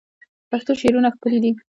پښتو شعرونه ښکلي دي